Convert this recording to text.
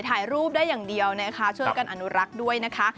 ถ่ายรูปได้อย่างเดียวนะคะช่วยกันอนุรักษ์ด้วยนะคะ